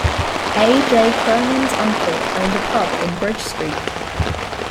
A. J. Cronin's uncle owned a pub in Bridge Street.